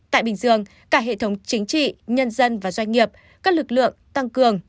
tại bình dương cả hệ thống chính trị nhân dân và doanh nghiệp các lực lượng tăng cường